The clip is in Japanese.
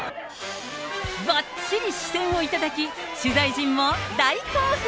ばっちり視線をいただき、取材陣も大興奮。